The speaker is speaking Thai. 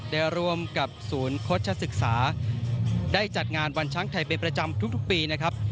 ได้รวมกับศูนย์ชุดชาสึกษาได้จัดงานวันช้างไทยเป็นประจำทุกปี